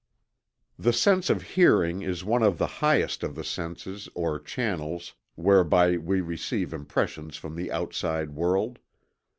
The sense of hearing is one of the highest of the senses or channels whereby we receive impressions from the outside world.